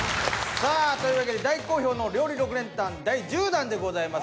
さあというわけで大好評の料理６連単第１０弾でございます。